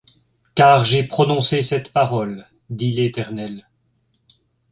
Car j'ai prononcé cette parole, dit l'Éternel.